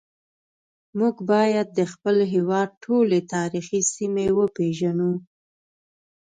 موږ باید د خپل هیواد ټولې تاریخي سیمې وپیژنو